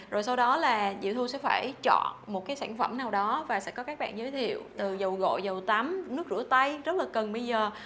rồi sau đó là diệu thu sẽ phải chọn một cái sản phẩm nào đó và sẽ có các bạn giới thiệu từ dầu gội dầu tắm nước rửa tay rất là cần bây giờ